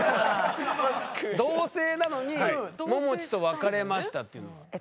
同棲なのに「ももちと別れました」っていうのは？